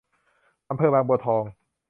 อำเภอบางบัวทอง